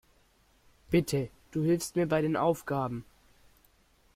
Bitte, du hilfst mir bei den Aufgaben.